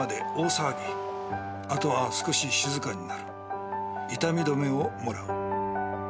「あとは少し静かになる」「痛み止めをもらう」